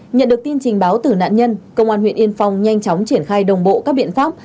nhận được tin trình báo từ nạn nhân công an huyện yên phong nhanh chóng triển khai đồng bộ các biện pháp